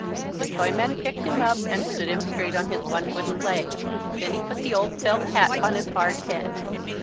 The Toyman picked him up and stood him straight on his one wooden leg. Then he put the old felt hat on his hard head.